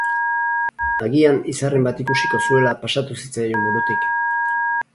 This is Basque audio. Agian izarren bat ikusiko zuela pasatu zitzaion burutik.